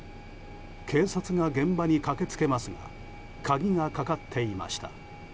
警察が現場に駆け付けますが鍵がかかっていました。